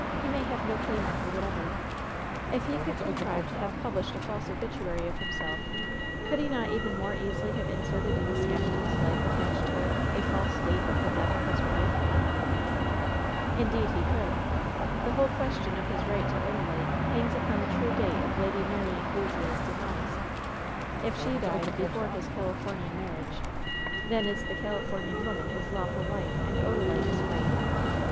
He may have no claim on her whatever. If he could contrive to have published a false obituary of himself, could he not even more easily have inserted in the sketch of his life attached to it a false date of the death of his wife ?" "Indeed he could. The whole question of his right to Odalite hangs upon the true date of Lady Mary Angle sea's demise. If she died before his Califomian mar riage, then is the Califomian woman his lawful wife, and Odalite is free.